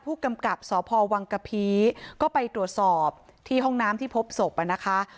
ผู้กำกับสพวังกะพีก็ไปตรวจสอบที่ห้องน้ำที่พบศพนะคะ